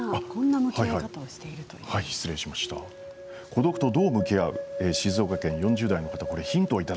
孤独と、どう向き合うか静岡県４０代の方です。